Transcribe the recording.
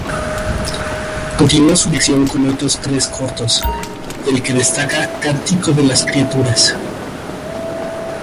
Continuó su dirección con otros tres cortos, del que destaca "Cántico de las criaturas".